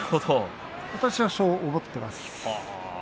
私は、そう思っています。